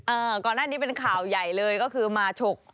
ก่อนหน้านี้เป็นข่าวใหญ่เลยก็คือมาฉก